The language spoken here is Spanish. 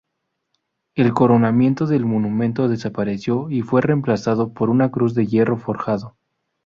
El coronamiento del monumento desapareció y fue reemplazado por una cruz de hierro forjado.